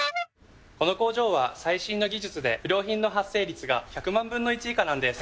この工場は最新の技術で不良品の発生率が１００万分の１以下なんです。